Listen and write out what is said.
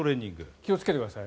気をつけてください。